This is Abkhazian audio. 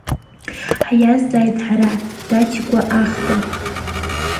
Ҳиазҵааит ҳара Даҭикәа Ахба.